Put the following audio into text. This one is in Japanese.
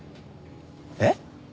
えっ！？